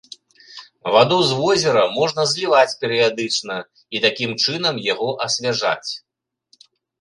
Ваду з возера можна зліваць перыядычна і такім чынам яго асвяжаць.